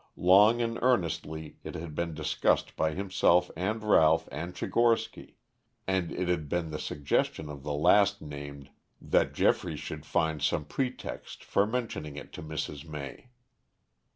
Long and earnestly it had been discussed by himself and Ralph and Tchigorsky, and it had been the suggestion of the last named that Geoffrey should find some pretext for mentioning it to Mrs. May.